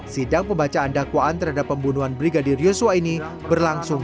sidang pembacaan dakwaan terhadap pembunuhan brigadir yosua ini berlangsung